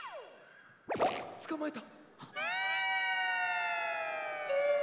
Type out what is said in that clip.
つかまえた。